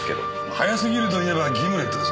早すぎるといえばギムレットですねえ。